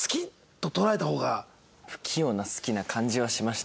「不器用な好き」な感じはしました。